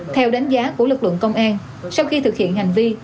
theo đánh giá của lực lượng công an sau khi thực hiện hành vi